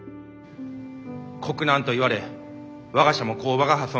国難と言われ我が社も工場が破損。